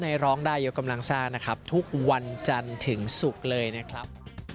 ร้องได้ยกกำลังซ่านะครับทุกวันจันทร์ถึงศุกร์เลยนะครับ